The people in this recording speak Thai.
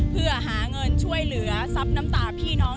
เพื่อหาเงินช่วยเหลือซับน้ำตาพี่น้อง